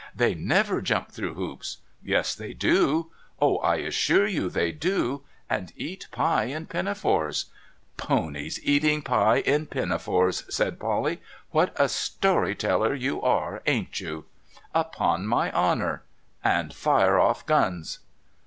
' They never jump through hoops !'' Yes, they do. Oh, I assure you they do ! And cat pie in pinafores '' Ponies eating pie in pinafores !' said Polly. ' What a story teller you are, ain't you ?'' U])on my honour. — And fire off guns.'